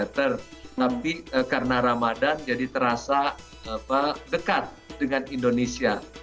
tapi karena ramadan jadi terasa dekat dengan indonesia